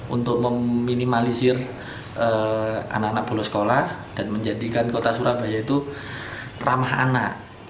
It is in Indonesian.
untuk meminimalisir anak anak bolos sekolah dan menjadikan kota surabaya itu ramah anak